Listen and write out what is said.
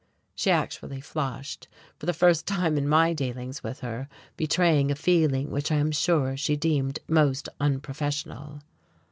She actually flushed, for the first time in my dealings with her betraying a feeling which I am sure she deemed most unprofessional.